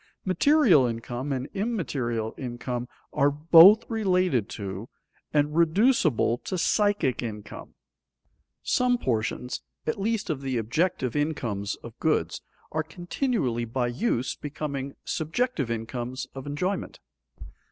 Material income and immaterial income are both related to and reducible to psychic income. Some portions at least of the objective incomes of goods are continually by use becoming subjective incomes of enjoyment.